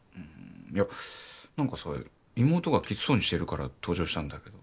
いやなんかさ妹がきつそうにしてるから登場したんだけど。